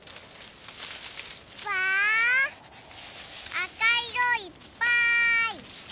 わあかいろいっぱい！